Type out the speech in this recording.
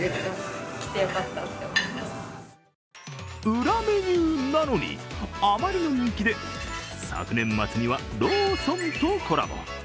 裏メニューなのにあまりの人気で、昨年末にはローソンとコラボ。